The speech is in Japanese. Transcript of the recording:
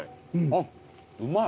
あっうまい。